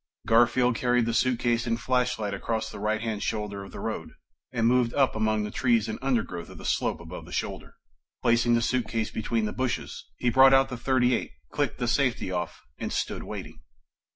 Garfield carried the suitcase and flashlight across the right hand shoulder of the road and moved up among the trees and undergrowth of the slope above the shoulder. Placing the suitcase between the bushes, he brought out the .38, clicked the safety off and stood waiting.